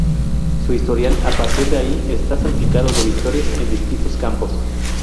Su historial, a partir de ahí está salpicado de victorias en distintos campos.